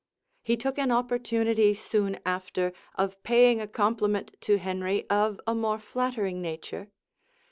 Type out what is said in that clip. He took an opportunity soon after of paying a compliment to Henry of a more flattering nature.